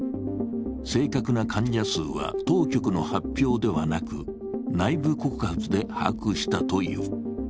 正確な患者数は当局の発表ではなく内部告発で把握したという。